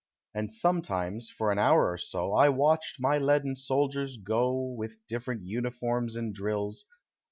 And sometimes for an hour or so I watched my leaden soldiers go, With different uniforms and drills.